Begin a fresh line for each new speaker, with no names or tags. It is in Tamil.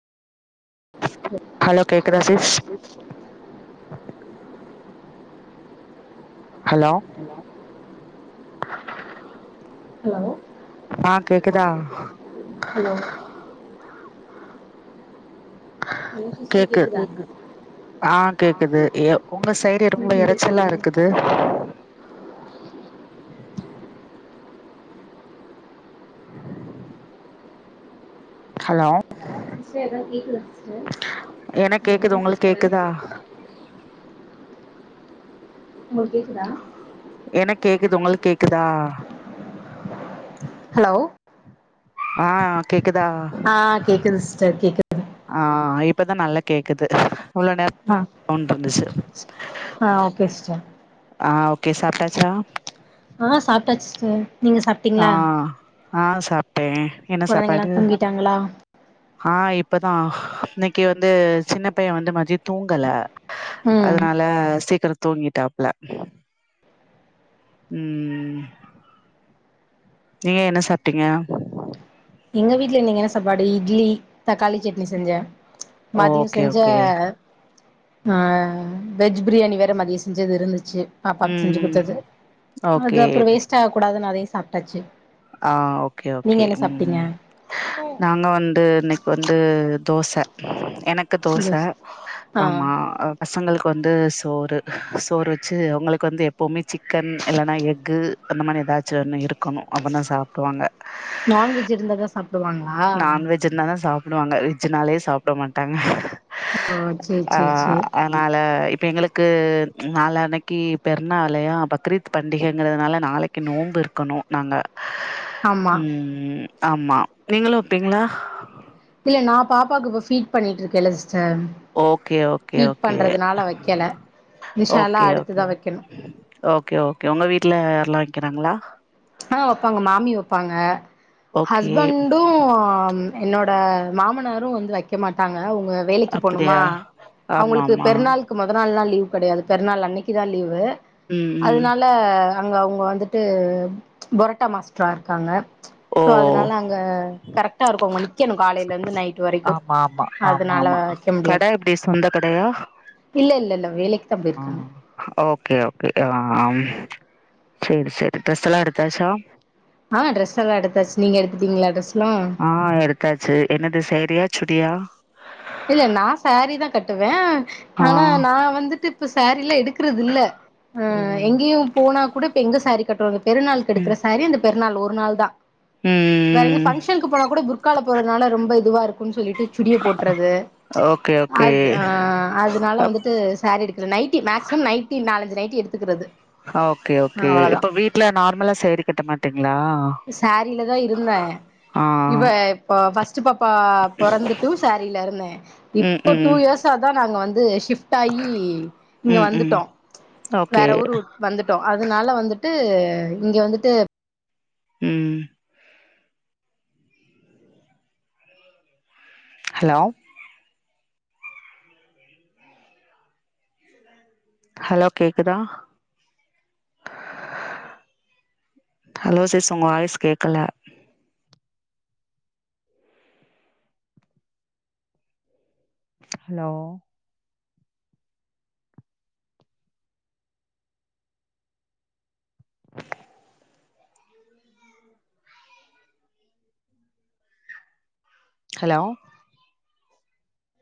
ஹலோ கேக்குதா சிஸ்
ஹலோ
[inaudible] ஹலோ
ஆ கேக்குதா
ஹலோ ஹலோ சிஸ்டர்
கேக்கு
கேக்குதா க்கு
ஆ கேக்குது ஏ உங்க சைடு ரொம்ப
எனக்கு
இறச்சலா
கேக்குது
இருக்குது ஹலோ
சிஸ்டர் எதாவது கேக்குறே சிஸ்டர்
எனக்கு கேக்குது உங்களுக்கு கேக்குதா
[inaudible] உங்களுக்கு கேக்குதா
எனக்கு கேக்குது உங்களுக்கு
கேக்குதுகேக்குது
கேக்குதா
கேக் ஹலோ
ஆ கேக்குதா
ஆ கேக்குது சிஸ்டர் கேக்குது
ஆ இப்பதா நல்லா கேக்குது இவ்ளவு நேர
மா ஆ ஓகே சிஸ்டர்
ஆ ஓகே சாப்ட்டாச்சா
ஆ சாப்ட்டாச்சு சிஸ்டர் நீங்க சாப்
ஆ ஆ சாப்ட்டே என்ன
கொழந்தைங்கலா
சாப்பாடு
தூங்கிட்டாங்களா
ஆ இப்பதா இன்னைக்கு வந்து சின்ன பையே வந்து மதியம் தூங்கல
ம்
அதுனால சீக்கிரோம் தூங்கிட்டாப்ல உம் நீங்க என்ன சாப்ட்டீங்க
எங்க வீட்ல இன்னைக்கு என்ன சாப்பாடு இட்லி தக்காளி சட்னி செஞ்சே மதியம்
ஓகே
செஞ்ச
ஓகே
ஆ வெஜ் பிரியாணி வேற மதியம் செஞ்சது இருந்துச்சு பாப்பாக்கு
ம்
செஞ்சு
ம்
கொடுத்தது
ஓகே
அது அப்றோ வேஸ்ட் ஆக கூடாதுன்னு அதையும் சாப்ட்டாச்சு
ஆ ஓகே
நீங்க என்ன
ஓகேஉம்
சாப்ட்டீங்க
நாங்க வந்து இன்னைக்கு வந்து தோசை எனக்கு தோசை
தோஸ் ஆ
ஆமா பசங்களுக்கு வந்து சோறு சோறு வச்சு அவங்களுக்கு வந்து எப்பவுமே சிக்கன் இல்லன்னா எஃக்கு அந்த மாரி ஏதாச்சும் ஒன்னு இருக்கணும் அப்ப தான் சாப்டுருவாங்க
நான்வெஜ் இருந்தா தா சாப்டுவாங்க
நான்வெஜ் இருந்த தான் சாப்டுவாங்க வெஜ்ஜனாலே சாப்ட மாட்டாங்க
ஓ சேரி
ஆ
சேரி சேரி
அ னால இப்ப எங்களுக்கு நால அன்னைக்கு பெருனாளையா பக்ரீத் பண்டிகைங்கிறதுனால நாளைக்கு நோன்பு இருக்கணும் நாங்க
ஆமா
உம் ஆமா நீங்களும் வப்பீங்களா
இல்ல நா பாப்பாக்கு இப்ப ஃபீட் பண்ணிட்டு இருக்கேன்ல்ல sister
okay okay
feed
okay
பண்றதுனால வைக்கல இன்ஷா அல்லா
ஓகே ஓகே
அடுத்துதா வைக்கணு
ஓகே ஓகே உங்க வீட்ல யார்ல்லா வைக்கிறாங்களா
ஆ வைப்பாங்க மாமி வைப்பாங்க
ஓகே
ஹஸ்பண்டும் என்னோட மாமனாரு வந்து வைக்க மாட்டாங்க உங்க வேலைக்கு போணுமா
அப்டியா ஆமா
அவங்களுக்கு
ஆமா
பெருநாள் க்கு மொத நாள்லா லீவ் கெடையாது பெருநாள் அன்னைக்கு தா லீவு
ம் ம்
அதுனால அவங்க அவங்க வந்துட்டு பொரட்டா மாஸ்டரா இருக்காங்க
ஓ
ஸோ அதனால அங்கே கரெக்டா இருக்கு அவங்க நிக்கணு காலயில இருந்து நை
ஆமா ஆமா ஆமா ஆமா கட
முடியாது
எப்டி சொந்த கடயா
இல்ல இல்லல்ல வேலைக்கு தா போயிருக்காங்க
ஓகே ஓகே ஆ சேரி சேரி டெஸ்ட் எல்லா எடுத்தாச்சா
ஆ ட்ரஸ் எல்லா எடுத்தாச்சு நீங்க எடுத்துட்டீங்களா ட்ரெஸ்லா
ஆ எடுத்தாச்சு என்னது சேரியா சுடியா
இல்ல நா சேரீ தா கட்டுவ
ஆ
ஆனா நா வந்துட்டு இப்ப சேரீயெல்லா எடுக்க குறது இல்ல அ
ஓ
எங்கேயு போனா கூட இப்ப எங்க சேரி கட்டுவாங்க பெருநாளுக்கு
ம்
எடுக்கர சேரி இந்த பெநாள் ஒரு நாள் தா வேற எங்க
ம்
பங்க்ஷனுக்கு போன கூட புர்கால போறதுனால ரொம்ப இதுவா இரு க்கு சொல்லிட்டு சுடிய போட்டுறது
ஓகே ஓகே
அது ஆ அது அதனால
அப்
வந்துட்டு சேரி எடுக்கல நைட்டி மேக்சிமம் நைட்டி நாலஞ்சு நைட்டி எடுத்துக்கிறது
ஓகே ஓகே
அவ்ளோதா
இப்ப வீட்ல நார்மலா சேரி கட்ட மாட்டீங்களா
சேரில தா இருந்த
ஆ
இவ இப்ப பஸ் [unintelligible] ப்பா பொறந்துட்டு சேரில இருந்தே
ம்
இப்ப டூ
ம்
இயர்ஸ்சாதா நாங்க வந்து ஷிப் ட் ஆயி இங்க
ம் ம்
வந்துட்டோ
ஓகே
வேற ஊரு வந்துட்டோ அதனால வந்துட்டு இங்க வந்துட்டு
ம் ஹலோ ஹலோ கேக்குதா ஹலோ சிஸ் உங்க வாய்ஸ் கேக்கல ஹலோ [inaudible] ஹலோ